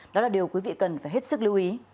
đó là điều quý vị cần phải hết sức lưu ý